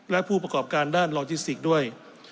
และผู้ประกอบการด้านลอจิสติกด้วย